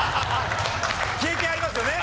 経験ありますよね？